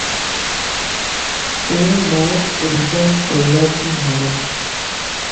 تون مانت الزام چھيلاتي ھڙين؟